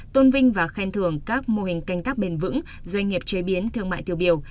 tôn vinh và khen thưởng các mô hình canh tác bền vững doanh nghiệp chế biến thương mại tiêu biểu